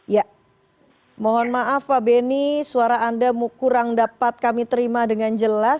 ya mohon maaf pak benny suara anda kurang dapat kami terima dengan jelas